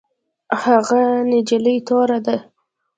هغه نجلۍ توره ده